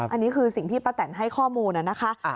อันนี้คือสิ่งที่ป้าแตนให้ข้อมูลนะคะ